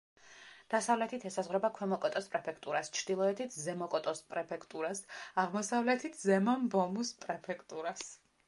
დასავლეთით ესაზღვრება ქვემო კოტოს პრეფექტურას, ჩრდილოეთით ზემო კოტოს პრეფექტურას, აღმოსავლეთით ზემო მბომუს პრეფექტურას.